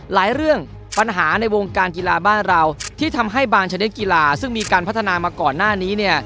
เรื่องปัญหาในวงการกีฬาบ้านเราที่ทำให้บางชนิดกีฬาซึ่งมีการพัฒนามาก่อนหน้านี้เนี่ย